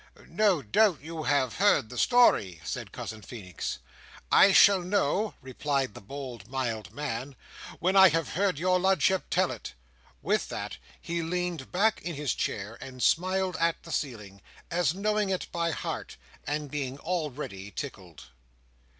"No doubt you have heard the story?" said Cousin Feenix. "I shall know," replied the bold mild man, "when I have heard your Ludship tell it." With that, he leaned back in his chair and smiled at the ceiling, as knowing it by heart, and being already tickled.